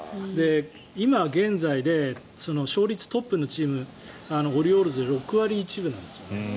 今現在で勝率トップのチームオリオールズで６割１分なんですよね。